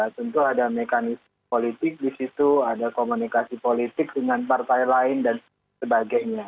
tentu ada mekanisme politik di situ ada komunikasi politik dengan partai lain dan sebagainya